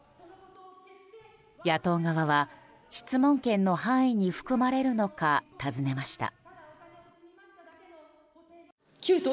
野党側は、質問権の範囲に含まれるのか尋ねました。